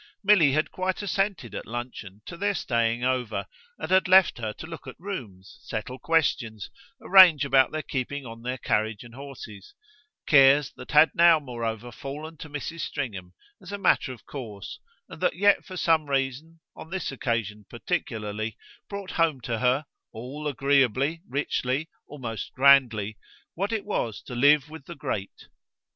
Milly had quite assented at luncheon to their staying over, and had left her to look at rooms, settle questions, arrange about their keeping on their carriage and horses; cares that had now moreover fallen to Mrs. Stringham as a matter of course and that yet for some reason, on this occasion particularly, brought home to her all agreeably, richly, almost grandly what it was to live with the great.